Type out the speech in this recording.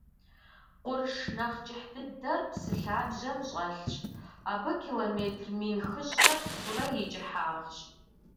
Къурш нэхь кӏыхь дыдэр псы лъабжьэм щӏэлъщ, абы километр мин хыщӏрэ тхурэ и кӏыхьагъщ.